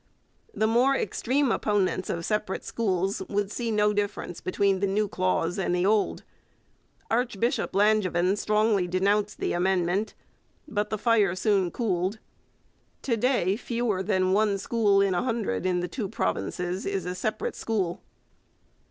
The more extreme opponents of separate schools would see no difference between the new clause and the old. Archbishop Langevin strongly denounced the amendment; but the fire soon cooled. Today fewer than one school in a hundred in the two provinces is a separate school.